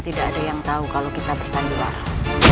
tidak ada yang tahu kalau kita bersanyuwara